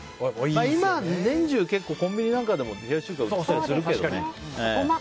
今は年中コンビニなんかでも冷やし中華売ってますけどね。